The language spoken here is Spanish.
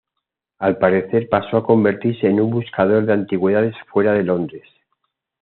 Al parecer, pasó a convertirse en un buscador de antigüedades fuera de Londres.